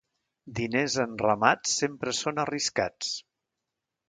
Diners en ramats sempre són arriscats.